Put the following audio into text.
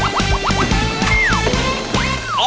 อบจมหาสนุก